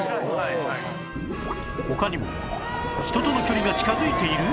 他にも人との距離が近づいている？